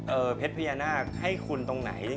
เพชรพญานาคให้คุณตรงไหน